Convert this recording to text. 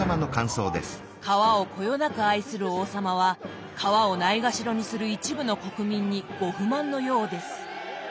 皮をこよなく愛する王様は皮をないがしろにする一部の国民にご不満のようです。